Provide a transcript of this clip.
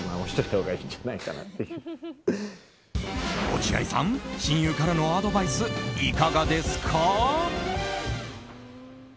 落合さん、親友からのアドバイス、いかがですか？